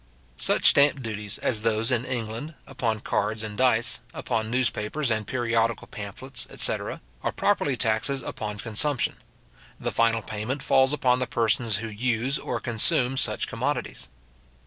Such stamp duties as those in England upon cards and dice, upon newspapers and periodical pamphlets, etc. are properly taxes upon consumption; the final payment falls upon the persons who use or consume such commodities.